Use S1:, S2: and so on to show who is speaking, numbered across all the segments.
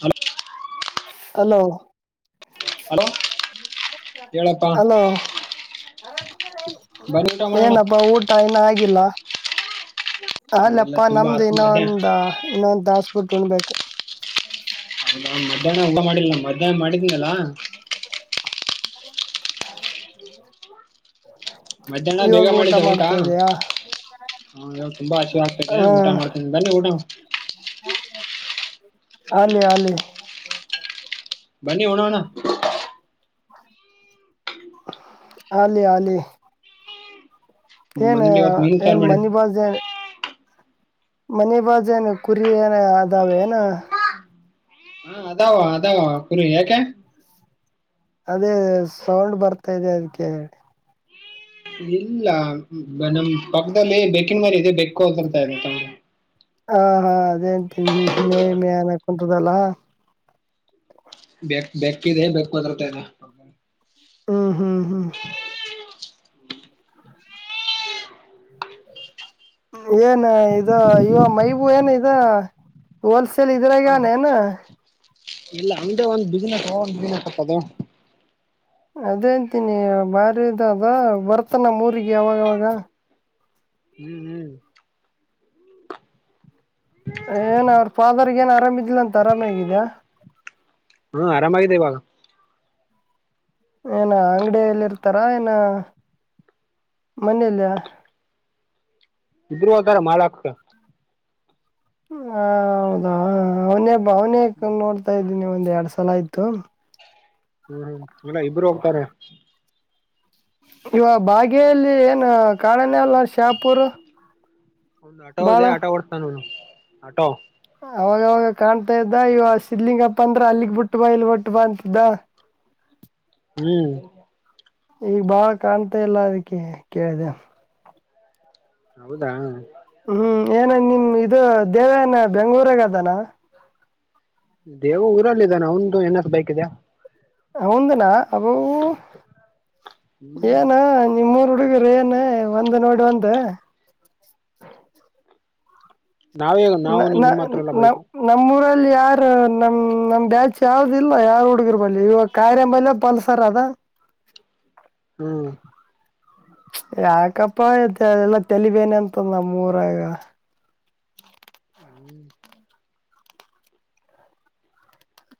S1: ಹಲ
S2: ಹಲೋ
S1: ಹೇಳಪ್ಪಾ
S2: ಅಲೋ
S1: ಬನ್ನಿ ಊಟ ಮಾಡೋಣ
S2: ಏನಪ್ಪಾ ಊಟ ಇನ್ನ ಆಗಿಲ್ಲ
S1: ಎಲ್ಲ
S2: ಅಲ್ಲಪ್ಪಾ
S1: ತುಂಬಾ
S2: ನಮ್ದು
S1: ಆಸ್ತಿ
S2: ಇನ್ನೊ
S1: ಮಧ್ಯಾಹ್ನ
S2: ಒಂದ ಇನ್ನೊಂದು ತಾಸ್ಬಿಟ್ಟು ಉಣ್ಬೇಕು
S1: ಮಧ್ಯಾಹ್ನ ಊಟ ಮಾಡಿಲ್ಲ ನ ಮಧ್ಯಾಹ್ನ ಮಾಡಿದೀನಲ್ಲಾ
S2: ಹ
S1: ಮಧ್ಯಾಹ್ನ ಬೇಗ ಮಾಡಿದ್ದೆ ಊಟ
S2: ಇದಯಾ
S1: ಹಾನ್ ತುಂಬಾ ಹಸಿವ ಆಗ್ತದೆ ಊಟ ಮಾಡ್ತ ಊಟ
S2: ಅಲಿ ಅಲಿ
S1: ಬನ್ನಿ ಉನೋಣ
S2: ಆಲಿ ಆಲಿ
S1: ನಮ್
S2: ಏನ್
S1: ಮನೇಲಿ ಇವತ್ ಮೀನು ಸಾರು
S2: ಏನ್
S1: ಮಾಡಿದ್
S2: ಮನಿ ಬಾಜ ಏನ್ ಮನಿ ಬಾಜ ಏನು ಕುರಿ ಏನ ಅದಾವೇ ಏನ
S1: ಹಾ ಅದಾವ ಅದಾವ ಕುರಿ ಯಾಕೆ
S2: ಅದೇ ಸೌಂಡ್ ಬರ್ತಾ ಇದೆ ಅದಕ್ಕೆ
S1: ಇಲ್ಲ ನಮ್ ಪಕ್ಕದಲ್ಲಿ ಬೆಕ್ಕಿನ ಮರಿ ಇದೆ ಬೆಕ್ಕು ಬರ್ತಾ
S2: ಹ ಹಾ ಅದೇ ಅಂತೀನಿ ಮೇ ಮೇ ಅನ ಕುಂತದಲ್ಲಾ
S1: ಬೆಕ್ ಬೆೇಕ್ಕಿದೆ ಬೆಕ್ ವದರ್ತದೆ ಹ
S2: ಹ್ಮ್ ಹ ಹಂ ಏನ್ ಇದು ಇವ ಮೈಬೂ ಏನ ಇದ ಹೋಲ್ಸೇಲ್
S1: ಒಂದ್
S2: ಇದ್ರಾಗಾನ ಏನ್
S1: ಇಲ್ಲ ಅಂಗೆ ಅಒಂದೇ ಒಂದ ಬಿಸ್ನೆಸ್ ಒ ಬಿಸ್ನೆಸ್ ಹತ್ತದು
S2: ಅದೇಂತೀನಿ ಬಾರಿದು ಅದ ಬರ್ತನ ಊರಿಗೆ ಯಾವಾಗಾವಾಗ
S1: ಹ್ಮ್ ಹ್ಮ್
S2: ಏನ ಅವ್ರ ಫಾದರ್ ಏನ್ ಆರಾಮ ಇದಿದಿಲ್ಲ ಅಂತ ಆರಾಮ ಆಗಿದ್ಯಾ
S1: ಹ್ಮ ಆರಾಮಾಗಿದೆ ಇವಾಗ
S2: ಏನ ಅಂಗಡಿಯಲ್ಲಿ ಇರ್ತಾರಾ ಏನ ಮನೆಲ್ಲಿ
S1: ಇಬ್ಬರು ಅದಾರ ಮಾಡಲಾಕ
S2: ಹ ಹೌದಾ ಅವನೇ ಅವನೇ ನೋಡ್ತಾ ಇದ್ದೀನಿ ಒಂದ್ ಎರಡ್ ಸಲ ಆಯ್ತು
S1: ಹ್ಮ್ ಹ್ಮ್ ಇಲ್ಲ ಇಬ್ರು ಹೋಗ್ತಾರೆ
S2: ಇವ ಬಾಗೇಲ್ಲಿ ಏನು ಕಾಡಾನೆ ಅಲ್ಲ ಶ್ಯಾಪುರು
S1: ಒಂದು ಆಟೋ ಇದೆ ಆಟೋ ಓಡಸ್ತಾನ ಆಟೋ
S2: ಅವಾಗವಾಗ ಕಾಣ್ತಾ ಇದ್ದ ಇವ ಸಿದ್ಲಿಂಗಪ್ಪ ಅಂದ್ರ ಅಲ್ಲಿಗ್ ಬಿಟ್ಟು ಬಾ ಇಲ್ಲಿ ಗೆ ಬಿಟ್ಟ ಬಾ ಅಂತಿದ್ದ
S1: ಹ್ಮ್
S2: ಈಗ ಬಾಳ ಕಾಣ್ತಾ ಇಲ್ಲ ಅದಕ್ಕೆ ಕೇಳಿದೆ
S1: ಹೌದಾ
S2: ಹ್ಮ್ ಏನ ನಿಮ್ ಇದು ದೇವಾನ ಬೆಂಗಳುರಾಗ ಅದಾನ
S1: ದೇವು ಊರಲ್ಲಿ ಇದಾನ ಅವಂದು ಏನ್ರ ಬೇಕಿದೇಯಾ
S2: [unintelligible]
S1: ಹ್ಮ್
S2: ಏನ ನಿಮ್ಮೂರ ಹುಡುಗ ಏನ್ ಒಂದ ನೋಡಿ ಒಂದ
S1: ನಾವೇ
S2: ನ
S1: ನಾವು
S2: ನ
S1: ನಿಮ್ಮ ಹತ್ರ ಎಲ್ಲ
S2: ನ
S1: ಬೈಕು
S2: ನಮ್ಮ್ಊರಲ್ಲಿ ಯಾರ ನಮ ನಮ್ ಬ್ಯಾಚ್ ಯಾವ್ದ ಇಲ್ ಯಾರ ಹುಡ್ಗರ್ ಬಲ್ಲಿಯ ಇವಾಗ ಕಾಯರೆಂಬಲ್ ಪಲ್ಸರ್ ಅದ
S1: ಹ್ಮ್
S2: ಯಾಕಪ್ಪ ತಲಿಬೇನೆ ಅಂತ ನಮ್ಮೂರಾಗ
S1: ಹ್ಮ್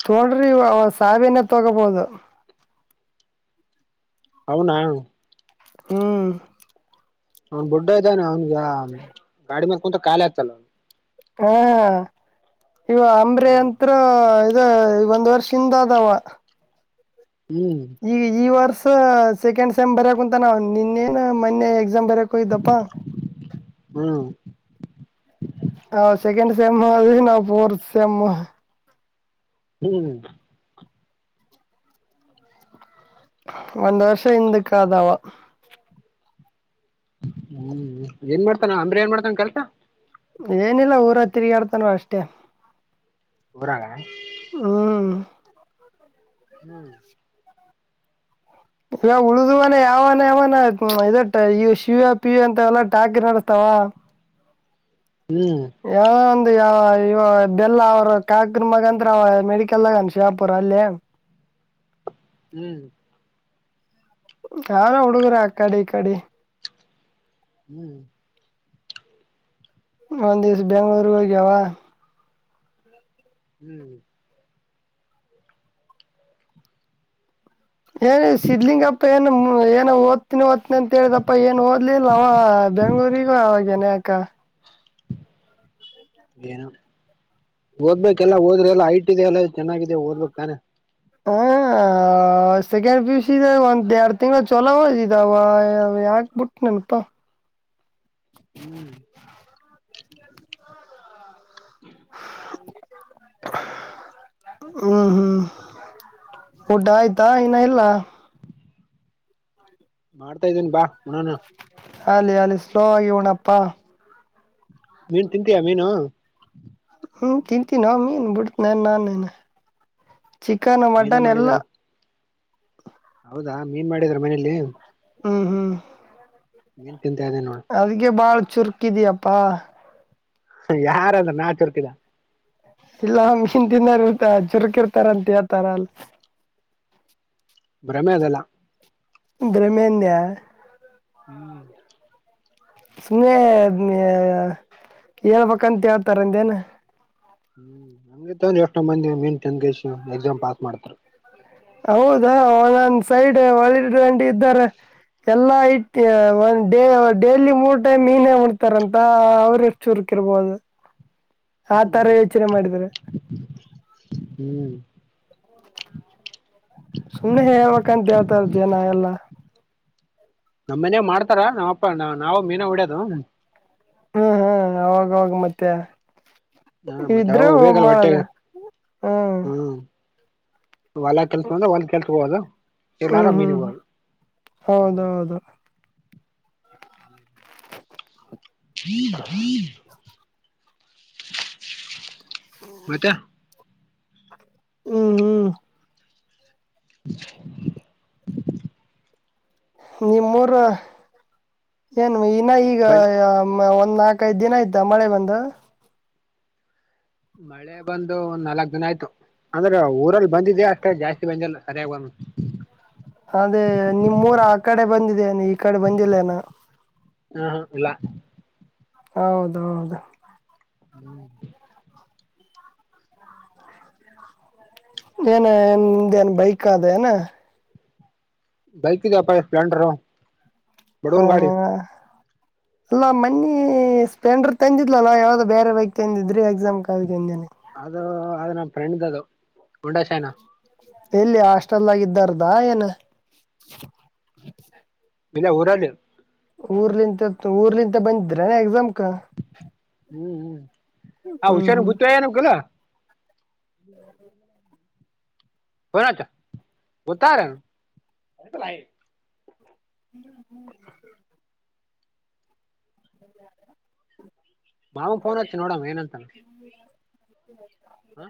S2: ತೋಡ್ರಿ ಅವ ಸಾವಿನ ತಗಬಹುದು.
S1: ಅವ್ನ
S2: ಹ್ಮ್
S1: ಅವ್ನ್ ಬುಡ್ಡ ಇದ್ದಾನೆ ಅವ್ನ್ಗ ಗಾಡಿ ಮ್ಯಗ್ ಕುಂತು ಕಾಲೆ ಆಕ್ತನ.
S2: ಹಾ ಹ ಇವ ಅಂಬ್ರೀ
S1: ಹ್ಮ್
S2: ಅಂತ್ರು. ಇದು ಒಂದ್ ವರ್ಷ ಹಿಂದ್ ಹೋದಾವ.
S1: ಹ್ಮ
S2: ಈ ಈ ವರ್ಸ ಸೆಕೆಂಡ್ ಸೆಮ್ ಬರೆಯಾಕುಂತನ ನಿನ್ನೇ ನಾ ಮೊನ್ನೆ ಎಕ್ಸಾಮ್ ಬರಿಯಾಕ್ಕ್ ಹೋಗಿದ್ದಾಪ್ಪ.
S1: ಹ್ಮ
S2: ಅವ ಸೆಕೆಂಡ್ ಸೆಮ್ಮ್ ಹೋದ್ವಿ ನಾವು ಫೋರ್ತ್ ಸಮ್.
S1: ಹ್ಮ್
S2: ಒಂದ್ ವರ್ಷ ಹಿಂದಕ್ಕದ ಅವ.
S1: ಹ್ಮ್ ಏನ್ ಮಾಡ್ತಾನ ಅಂಬ್ರ ಏನ್ ಮಾಡ್ತಾನ ಕಲ್ತ.
S2: ಏನಿಲ್ಲ ಊರಗ್ ತಿರುಗಾಡ್ತನ ಅಷ್ಟೇ.
S1: ಊರಾಗ.
S2: ಹ್ಮ್
S1: ಹ್ಮ್
S2: ಈವ ಉಳಿದವನ ಯಾವಾನ ಯಾವನ ಇ ಈ ಶಿವ ಪಿವ ಅಂತ ಎಲ್ಲ ಟಾಕಿ ನಡೆಸ್ತಾವ.
S1: ಹ್ಮ್
S2: ಯಾವ ಒಂದು ಯ ಇವ ಬೆಲ್ಲ ಅವರು ಕಾಕ್ರ ಮಗಂತ್ರ ಅವ ಮೆಡಿಕಲ್ದಾಗನ್ ಶಾಪುರ ಅಲ್ಲಿ.
S1: ಹ್ಮ್
S2: ನಾನ ಹುಡುಗರ ಆ ಕಡಿ ಈ ಕಡೆ.
S1: ಹ್ಮ್
S2: ಒಂದ ದಿವಸ ಬೆಂಗ್ಳೂರ್ಗ್ ಹೋಗ್ಯಾವ.
S1: ಹ್ಮ್
S2: ಏನ ಸಿದ್ಲಿಂಗಪ್ಪಾ ಏನು ಏನ ಓದ್ತೀನಿ ಓದ್ತನಿ ಅಂತ ಹೇಳಿದ್ನಪ್ಪ ಏ ಓದ್ ಇಲಿಲ್ಲ ಅವ ಬೆಂಗ್ಗಳೂರಿಗೂ ಹೋಗನೆ ಅಕ್ಕ.
S1: ಏನು ಓದ್ಬೇಕ್ ಎಲ್ಲ ಓದ್ರೆ ಎಲ್ಲ ಐಟ್ ಇದೆ ಎಲ್ಲ ಚೆನ್ನಾಗಿದೆ ಓದ್ಬೇಕ್ ತಾನೆ.
S2: ಊಹ ಆ ಸೆಕೆಂಡ್ ಪಿ ಯು ಸಿ ದಾಗ ಒಂದ್ ಎರಡ್ ತಿಂಗ್ಳು ಚೊಲೋ ಓದಿದ ಅವಾ ಯಾಕ್ ಬಿಟ್ನೆನಪಾ.
S1: ಹ್ಞೂ
S2: [unintelligible] ಹ್ಮ್ ಹ್ಮ್ ಊಟ ಆಯ್ತಾ ಇನ್ನ ಇಲ್ಲಾ.
S1: ಮಾಡ್ತಾ ಇದೀನ್ ಪ ಉಣ್ಣನ.
S2: ಅಲ್ಲಿ ಅಲ್ಲಿ ಸ್ಲೋ ಆಗಿ ಉಣಪ್ಪಾ.
S1: ನೀನ್ ತಿಂತೀಯಾ ಮೀನು.
S2: ಹ್ಮ ತಿಂತೀನೊ ಮೀನ್ ಬಿಡ್ತ್ ನನ್ ನೇನು ಚಿಕನ್ನು
S1: ಮೀನ
S2: ಮಟನ್ನು ಎಲ್ಲಾ.
S1: ಮಾಡಿದಾರ ಹೌದಾ ಮೀನ್ ಮಾಡಿದ್ರ ಮನೇಲಿ.
S2: ಹ್ಮ ಹ್ಮ
S1: ಮೀನ್ ತಿಂತಾಯಿದೀನ್ ನೋಡು.
S2: ಅದ್ಗೆ ಭಾಳ ಚುರ್ಕಿದ್ಯಪ್ಪಾ.
S1: ಯಾರಂದ್ರು ನಾ ಚುರ್ಕ್ಇ
S2: ಇಲ್ಲ ಮೀನ್ ತಿನಾರ್ ಇರ್ತ ಚುರ್ಕ್ ಇರ್ತಾರಂತ ಹೇಳ್ತಾರ ಅಲ್
S1: ಭ್ರಮೆ ಅದೆಲ್ಲ.
S2: ಭ್ರಮೆ ಅಂದ್ಯಾ.
S1: ಹ್ಮ್.
S2: ಸುಮ್ಮನೆ ಹೇಳ್ಬೇಕಂತ ಹೇಳ್ತಾರಂದೇನು.
S1: ಹ್ಮ್ ಹಂಗೆ ತಾನೇ ಎಷ್ಟೋ ಮಂದಿ [unintelligible] ಎಕ್ಸಾಮ್ ಪಾಸ್ ಮಾಡ್ತಾರೆ
S2: ಹೌದಾ ಒಂದ ಸೈಡ್ ಒಳ್ಳೆ ಗಂಡು ಇದ್ದಾರೆ. ಎಲ್ಲಾ ಡೇಲಿ ಮೂರು ಟೈಮ್ ಮೀನೇ ಉಂತರಂತ ಅವರು. ಚುರುಕ್ ಇರಬಹುದು.
S1: ಹ್ಮ್ ಹ್ಮ್.
S2: ಸುಮ್ನೆ ಹೇಳ್ಬೇಕಂತ ಹೇಳ್ತಾರ ಜನ ಎಲ್ಲಾ.
S1: ನಮ್ಮ್ ಮನೇಲಿ ಮಾಡ್ತಾರ ನಮ್ಮಪ್ಪ ನಾವು ಮೀನ ಹೊಡಿಯೋದಿ.
S2: ಹ್ಮ್ ಹ್ಮ್ ಅವಾಗವಾಗ ಮತ್ತೆ.
S1: ಹ ಮತ್ತೆ ಅವ
S2: ಇದ್ರು
S1: ಬೇಕಲ್ಲ
S2: ಮಾಡದ
S1: ಹೊಟ್ಟೆಗೆ
S2: ಹ್ಮ್.
S1: ಹೊಲ್ಲ ಕೆಲ್ಸ ಬಂದ್ರ ಹೊಲ್ ಕೆಲ್ಸ ಹೋದು ಇಲ್ಲಾರ ಮೀನಿಗೆ ಹೋಗೋದು.
S2: ಹೌದು.
S1: ಮತ್ತೆ.
S2: ಹ್ಮ್ ಹ್ಮ್
S1: [inaudible]
S2: ನಿಮ್ಮೂರು ಏನು ಇನ್ನ ಈಗ.
S1: ಬನ್
S2: ಒಂದ್ ನಾಲ್ಕಐದು ದಿನ ಆಯ್ತಾ ಮಳೆ ಬಂದು.
S1: ಮಳೆ ಬಂದು ಒಂದ್ ನಾಲ್ಕ್ ದಿನ ಆಯ್ತು. ಅಂದ್ರೆ ಊರಲ್ಲಿ ಬಂದಿದ್ಯಾ ಅಷ್ಟೇ ಜಾಸ್ತಿ ಬಂದಿಲ್ಲ ಸರಿಯಾಗಿ.
S2: ಅದೇ ನಿಮ್ಮೂರು ಆ ಕಡೆ ಬಂದಿದೆನು ಈ ಕಡೆ ಬಂದಿಲ್ಲ ಇನ್ನ.
S1: ಹಾ ಹಾ ಇಲ್ಲ.
S2: ಹೌದೌದು.
S1: ಹ್ಮ್
S2: ಏನ ನಿಂದ್ ಏನ್ ಬೈಕ್ ಅದೇನ.
S1: ಬೈಕ್ ಇದೆಯಪ್ಪ ಸ್ಪ್ಲೆಂಡರು. ಬಡವ್ರ
S2: ಹಾ
S1: ಗಾಡಿ
S2: ಹಾ ಅಲ್ಲಾ ಮನ್ನಿ ಸ್ಪೆಂಡರ್ ತಂದಿದಿಲ್ಲ ನಾ ಯಾವುದೋ ಬೇರೆ ಬೈಕ್ ತಂದಿದ್ರಿ ಎಕ್ಸಾಮ್ ನೆನ್ನೆ.
S1: ಅದು ಅದು ನಮ್ಮ ಫ್ರೆಂಡ್ದ ಅದು. [unintelligible]
S2: ಎಲ್ಲಿ ಹಾಸ್ಟೆಲ್ ಅಲ್ಲಿ ಇದ್ದಾವಾರದ ಏನು.
S1: ಇಲ್ಲ ಊರಲ್ಲಿ.
S2: ಉರ್ಲಿನಿಂದ ಊರ್ಲಿಂತ ಬಂದಿದ್ರ ಎಕ್ಸಾಮ್ಗೆ.
S1: ಹ್ಮ್ ಹ್ಮ ಆ
S2: ಹ್ಮ್
S1: ವಿಚಾರ
S2: ಹ್ಮ್
S1: ಗೊತೆಯಿಲ್ಲ [unintelligible] [unintelligible] ಫೋನ್ ಹಚ್ಚು ಗೊತ್ತಾರೆ.
S2: ಹ್ಮ್ ಹ್ಮ್.
S1: ಮಾವಗ ಫೋನ್ ಹಚ್ಚುನೋಡ್ ಏನಂತನೆ.
S2: [inaudible]
S1: ಹಾ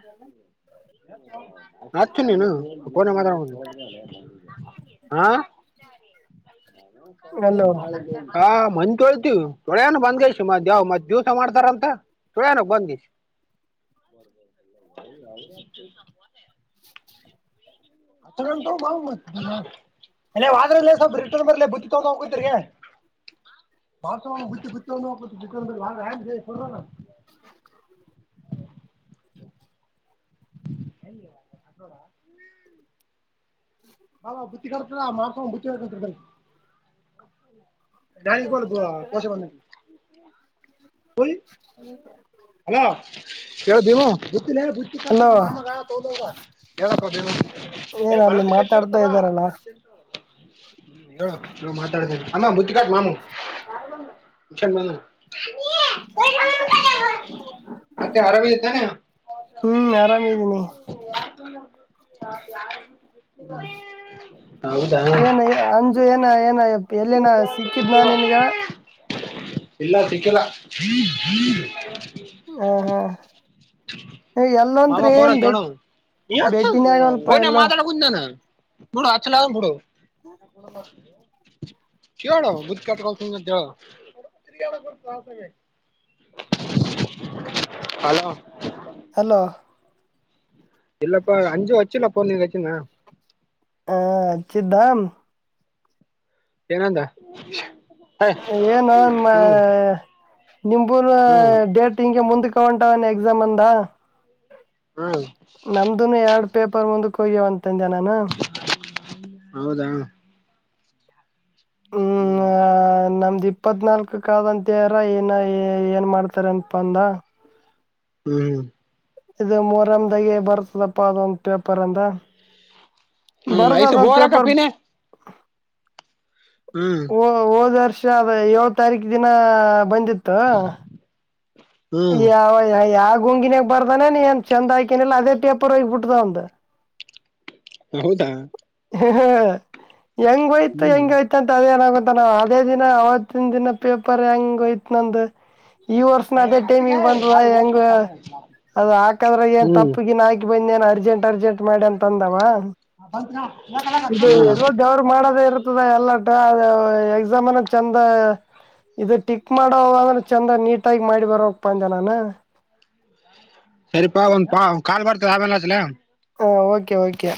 S1: ಹಚ್ಚು ನೀನು ಫೋನ್ ಮಾಡವಲಲ್ಲ ಹಾ.
S2: ಹಲೋ
S1: [unintelligible] ಹಾ ಮನ್ನೆ ತೊಳತಿವಿ ತೊಳೆನ ಬಂದ್ಷ್ಟ್ ಮ್ ಯಾವ್ ಮತ್ ದಿವಸ ಮಾಡ್ತಾರಂತ ತೊಳೆನ ಬಂದಷ್ಟ್. [unintelligible] ಅತ್ರ ಗಂಟ ಬಾ ಮ [unintelligible] ನೀ ಅದ್ರಲ್ಲ ಸ್ವಲ್ಪ ರಿರ್ಲ ಬುತ್ತ ತಗೊಂಡ ಹೋಗತ್ರಿ ಬಸ ಬಿ ಬಿ ಬಿ ಹಾಗಣ [unintelligible]
S2: [inaudible]
S1: ಎಲ್ಲಿ ಹೋಡ [unintelligible] ಬಾ ಬುತ್ತಿ ಕತ ಮಾಸ ಬುತ್ತಿಂಟ ಬನ್ನಿ ಕೊಬು ಕಸೆ ಬಂದ [unintelligible] ಹಲೋ ಕೇಳ್ದವ್ ಗುತ್ತಲ ಬುತ್ತಿ ಕತ
S2: ಹಲೋ
S1: ಮಾಮಗ ತೋದವ ಹೇಳಪ್ಪ ದೇವು
S2: ಏನ್ ಅಲ್ಲಿ ಮಾತಾಡ್
S1: ತ ಅಂತ ಮಾತಾಡ ಆಮ್ಮ ಮುುದ್ಧ ಕಾಟ್ ಮಾತಡ್ [unintelligible] ಮತ್ತೆ ಆರಾಮಿದೆ ತಾನೆ
S2: ಹ್ಮ್ ಆರಾಮೂ ಇದ್ದೀನಿ.
S1: ಹೌಾ [unintelligible] ಹಾ [unintelligible] ಹೌದಾ
S2: ಏನ್ ಅಂಜು ಏನ ಏನ ಎಲ್ಲಿನ ಸಿಕ್ಕಿದ್ ನಾ ನಿನ್ಗ
S1: ಇಲ್ಲ ಸಿಕ್ಕಿಲ್ಲ. ಹ [inaudible]
S2: ಹ್ಮ ಹ್ಮ ನೀ
S1: ಮಾಮ
S2: ಎಲ್ಲತ್ರಿ
S1: ಫೋನ್
S2: ಏನ್
S1: ಹಚ್ಚೋಣ
S2: ಬೆಟ್ಟ ಬೆಡ್ನ ಆಗವಲ್ಪಾ ಎಲ್ಲ
S1: ನಾನಡ ಆಚ್ಚಲ್ಲಡ ಬಿಡೂ ಕೇಳು [unintelligible] ಗುತ್ಕಲ್ [unintelligible] ಹಲೋ
S2: ಹಲೋ
S1: ಇಲ್ಲಪ್ಪ ಅಂಚಳಳಳಮಭಡ್ಡ ವಚ್ಚುಿಲ್ಲ ಪನೀದುಾ್ನ [unintelligible]
S2: ಹ ಹಾಕಿದ ದಾಮ್
S1: ಏನಂದ
S2: ಏನು
S1: ಹ್ಮ್
S2: ನಿಮೂರು
S1: ಹ್ಮ್
S2: ಡೇಟ್ ಹಿಂಗ ಮುಂದಕ್ಕೆ ತ ಕಿಂಗ್ ಎಕ್ಸಾಮ್ ಅಂದ
S1: ಹ್ಮ್
S2: ನಮ್ದುನು ಎರಡು ಪೇಪರ್ ಮುಂದಕ್ಕೆ ಹೋಗ್ಯವ ಅಂತಂದೆ ನಾನು.
S1: ಹೌದಾ ಹ್ಮ್
S2: ಆ ನಮ್ದ್ ಇಪ್ಪತ್ನಾಲ್ಕಕ್ ಆದಂತಾರ ಏನ ಏನ್ ಮಾಡ್ತಾರ ಅಂತಪಂದ.
S1: ಹ್ಮ್
S2: ಇದು ಮೂರಮ್ ದಾಗೆ ಬರ್ತದಪ್ಪಾ ಅದೊಂದ ಪೇಪರ್ ಅಂದ
S1: ಹ್ಮ
S2: ಬರ್ದ
S1: ಐಸು
S2: ಅದೊಂದ್
S1: ಬೋರಾ
S2: ಪೇಪರ್
S1: ಕಪ್ಪಿನೆ ಹ್ಮ್
S2: ಹ್ಮ್ ಹೋದ ವರ್ಷ ಅದ ಏಳ ತಾರೀಕ ದಿನ ಬಂದಿತ್ತು.
S1: ಹ್ಮ್
S2: ಯಾವ ಯಾವುಂಗಿನಾಗ ಬರ್ದಾನ ನೀಏನ್ ಚಂದ ಆಾಕಿನಿಲ್ಲ ಅದೇ ಪೇಪರ್ ಹೋಗಿಬ ಬಿಟ್ಟ್ದ ಒಂದ್
S1: ಹ ಹೌದಾ
S2: ಹ ಹೆಂಗ್ಮಡ್ಡಠ್ಯಯ್ತು
S1: ಹ್ಮ್
S2: ಹೆಂಗ ಆಯ್ತ ಆಂತ ಅದೇಏನಾಗಂತ ನಾವ್ ಅದೇ ದಿನ ಅವತ್ತಿನ ದಿನ ಪೇಪರ್ ಹೆಂಗ್ ಹೋಯ್ತ ನಂದು ಈ ವರ್ಷನ
S1: ಹ್ಮ್
S2: ಅದೇ ಟೈಮಿಗೆ ಬಂದ ಹೆಂಗ್ ಅದು ಹಾಕದ್ರ ಏನ್
S1: ಹ್ಮ್
S2: ತಪ್ಪಗಿನ ಹಾಕ್ ಇವಿದೇನ್ ಅರ್ಜೆಂಟ್ ಅರ್ಜೆಂಟ್ ಮಾಡಿ ಅಂತ ಅಂದವ.
S1: ಹ ಬತ್
S2: ಇದು
S1: ಯಾಕ
S2: ಎದೋ
S1: [inaudible]
S2: ದೇವ್ರ ಮಾಡದೇ ಎಲ್ಲಟ ಎಕ್ಸಾಮ್ನ ಎಲ್ಲಾ ಚಂದ ಇದು ಟಿಕ್ ಮಾಡೋವಾಗ ಆದ್ರು ಚಂದ ನೀಟಾಗಿ ಮಾಡಿ ಬರಕ್ ಪಂದ ನಾನ
S1: ಸರಿಪಾ ಒಂದ್ ಕಾಲ್ ಬರ್ತ ಆಮೇಲ್ ಹಚ್ಲ
S2: ಹ ಓಕೆ ಓಕೆ